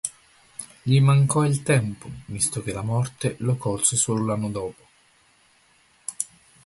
Gli mancò il tempo, visto che la morte lo colse solo l'anno dopo.